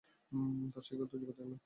তার শিক্ষাগত যোগ্যতা এমএ।